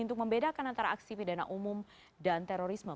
untuk membedakan antara aksi pidana umum dan terorisme